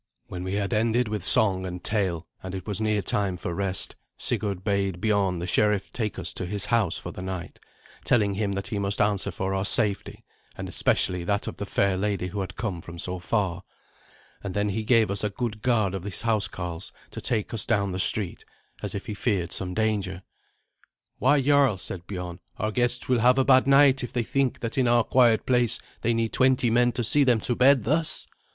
When we had ended with song and tale, and it was near time for rest, Sigurd bade Biorn, the sheriff, take us to his house for the night, telling him that he must answer for our safety, and specially that of the fair lady who had come from so far. And then he gave us a good guard of his housecarls to take us down the street, as if he feared some danger. "Why, jarl," said Biorn, "our guests will have a bad night if they think that in our quiet place they need twenty men to see them to bed thus!"